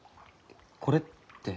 これって。